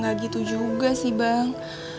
ya gak gitu juga sih bang